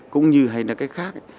cũng như hay là cái khác